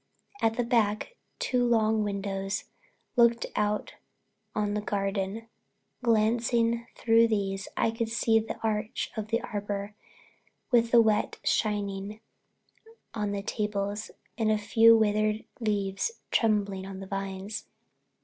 At the back two long windows looked out on the garden. Glancing through these I could see the arch of the arbor, with the wet shining on the tables and a few withered leaves trembling on the vines.